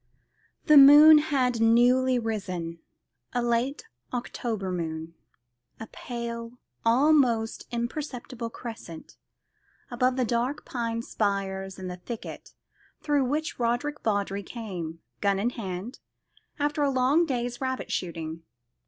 The moon had newly risen, a late October moon, a pale almost imperceptible crescent, above the dark pine spires in the thicket through which Roderick Vawdrey came, gun in hand, after a long day's rabbit shooting.